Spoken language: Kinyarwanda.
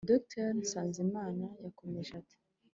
Dr NSANZIMANA yakomeje ati